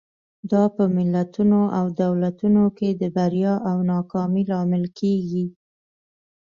دا په ملتونو او دولتونو کې د بریا او ناکامۍ لامل کېږي.